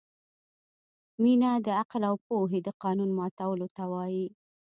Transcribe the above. مینه د عقل او پوهې د قانون ماتولو ته وايي.